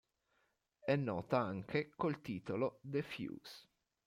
È nota anche col titolo The Fuse.